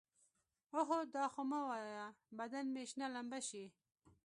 اوهو دا خو مه وايه بدن مې شنه لمبه شي.